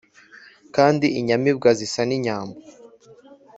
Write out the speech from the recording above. Kandi inyamibwa zisa n'inyambo.